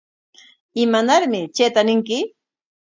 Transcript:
¿Imanarmi chayta ñinki?